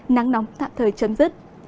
nắng nóng thạm thời chấm dứt